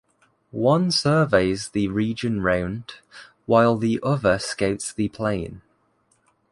One surveys the region round, while the other scouts the plain.